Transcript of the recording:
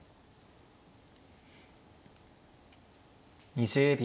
２０秒。